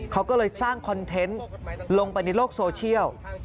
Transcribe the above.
เขาก็เลยสร้างคอนเทนต์ลงไปในโลกโซเชียล